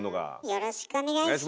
よろしくお願いします！